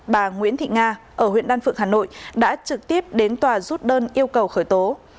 bà nguyễn thị nga ở huyện đan phượng hà nội đã trực tiếp đến tòa rút đơn yêu cầu khởi tố